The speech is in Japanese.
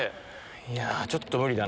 ちょっと無理だな。